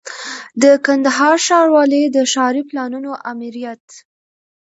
د کندهار ښاروالۍ د ښاري پلانونو آمریت